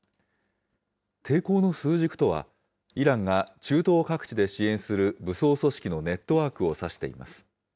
抵抗の枢軸とは、イランが中東各地で支援する武装組織のネットワークを指しています。